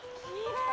きれい！